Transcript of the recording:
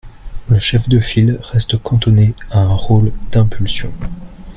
Le chef de file reste cantonné à un rôle d’impulsion.